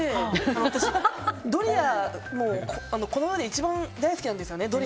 私、ドリアがこの世で一番大好きなんですよね。